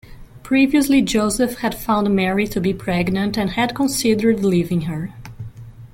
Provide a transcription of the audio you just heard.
Previously Joseph had found Mary to be pregnant and had considered leaving her.